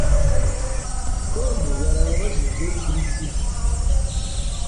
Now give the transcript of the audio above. Tom yaraye abajijwe kuri TV